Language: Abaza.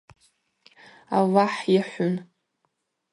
Аллахӏ йыхӏвун.